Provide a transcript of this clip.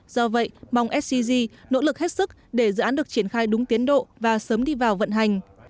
do vậy mong scg nỗ lực hết sức để dự án được triển khai đúng tiến độ và sớm đi vào vận hành